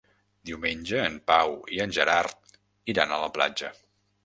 Diumenge en Pau i en Gerard iran a la platja.